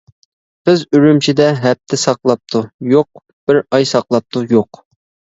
قىز ئۈرۈمچىدە ھەپتە ساقلاپتۇ يوق، بىر ئاي ساقلاپتۇ يوق.